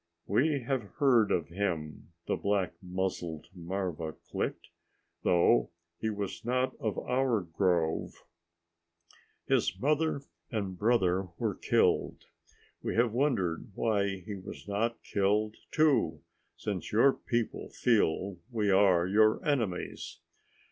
"We have heard of him," the black muzzled marva clicked, "though he was not of our grove. His mother and brother were killed. We have wondered why he was not killed too, since your people feel we are your enemies.